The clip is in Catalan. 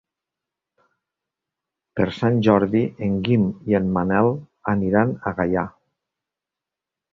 Per Sant Jordi en Guim i en Manel aniran a Gaià.